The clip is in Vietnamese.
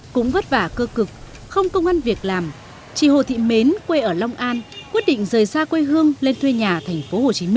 cũng vất vả cơ cực không công an việc làm chị hồ thị mến quê ở long an quyết định rời xa quê hương lên thuê nhà tp hcm